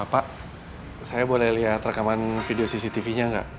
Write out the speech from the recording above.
pak saya boleh lihat rekaman video cctv nya nggak